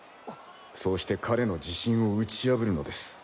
そうして彼の自信を打ち破るのです。